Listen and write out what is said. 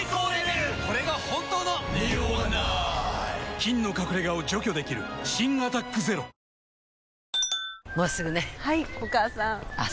菌の隠れ家を除去できる新「アタックＺＥＲＯ」女性）